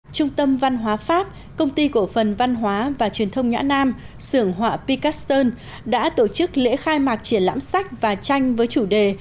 trung tâm văn hóa pháp công ty cổ phần văn hóa và truyền thông nhã nam sưởng họa picaston đã tổ chức lễ khai mạc triển lãm sách và tranh với chủ đề